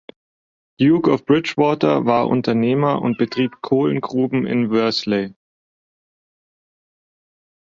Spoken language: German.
Duke of Bridgewater war Unternehmer und betrieb Kohlengruben in Worsley.